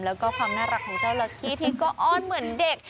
แล้วก็ความน่ารักของเจ้าหน้าที่ที่ก็อ้อนเหมือนเด็ก